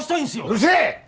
うるせえ！